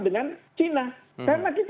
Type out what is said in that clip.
dengan china karena kita